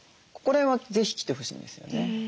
これは是非来てほしいんですよね。